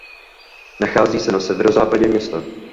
Nachází se na severozápadě města.